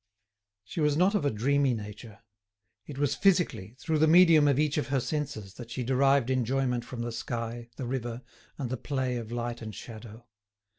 She was not of a dreamy nature; it was physically, through the medium of each of her senses, that she derived enjoyment from the sky, the river, and the play of light and shadow.